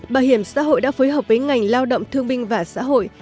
bảo hiểm xã hội đã phối hợp với ngành lao động thương binh và xã hội